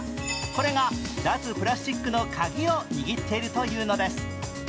これが脱プラスチックの鍵を握っているというのです。